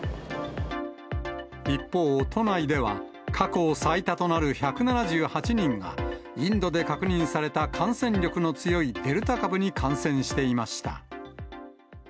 一方、都内では過去最多となる１７８人が、インドで確認された感染力の強いデルタ株に感染していました。